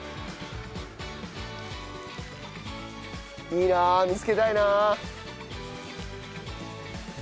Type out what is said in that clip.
いいな見つけたいな。